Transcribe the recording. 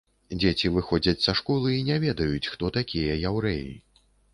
Дзеці выходзяць са школы і не ведаюць, хто такія яўрэі.